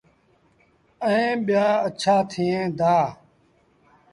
ائيٚݩ ٻيٚآ اَڇآ ٿئيٚݩ دآ۔